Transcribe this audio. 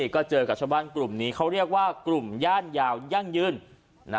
ก็เจอกับชาวบ้านกลุ่มนี้เขาเรียกว่ากลุ่มย่านยาวยั่งยืน